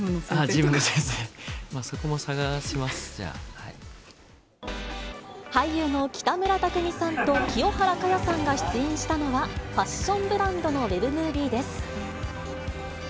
ジムの先生、そこも探します、俳優の北村匠海さんと清原果耶さんが出演したのは、ファッションブランドのウェブムービーです。